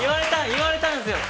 言われたんですよ。